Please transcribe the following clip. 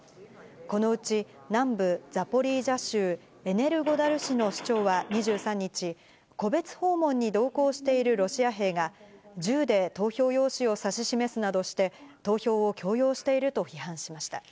このうち、南部ザポリージャ州エネルゴダル市の市長は２３日、戸別訪問に同行しているロシア兵が、銃で投票用紙を指し示すなどして、投票を強要していると批判しました。